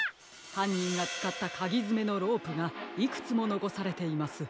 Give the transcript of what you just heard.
はんにんがつかったかぎづめのロープがいくつものこされています。